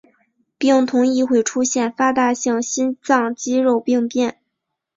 病童亦会出现发大性心脏肌肉病变。